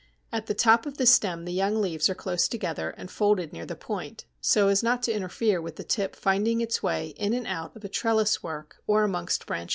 At the top of the stem the young leaves are close together, and folded near the point, so as not to interfere with the tip finding its way in and out of a trellis work or amongst branches.